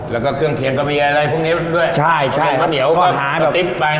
แล้วก็เครื่องเคียงก็มีอะไรพวกนี้ด้วยใช่ใช่ข้าวเหนียวก็หากระติ๊บไป